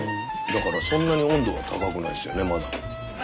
だからそんなに温度は高くないですよねまだ。